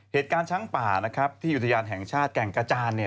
เหตุการณ์ช้างป่านะครับที่อุทยานแห่งชาติแก่งกระจานเนี่ย